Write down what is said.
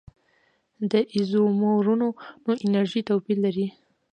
د ایزومرونو انرژي توپیر لري.